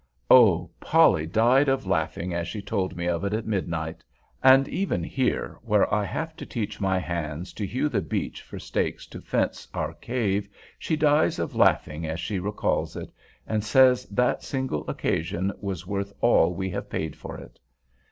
Oh! Polly died of laughing as she told me of it at midnight! And even here, where I have to teach my hands to hew the beech for stakes to fence our cave, she dies of laughing as she recalls it—and says that single occasion was worth all we have paid for it.